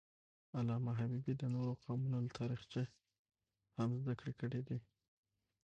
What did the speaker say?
علامه حبیبي د نورو قومونو له تاریخه هم زدهکړه کړې ده.